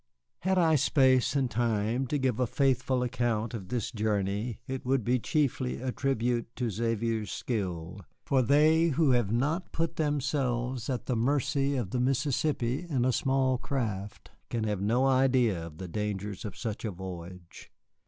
Had I space and time to give a faithful account of this journey it would be chiefly a tribute to Xavier's skill, for they who have not put themselves at the mercy of the Mississippi in a small craft can have no idea of the dangers of such a voyage.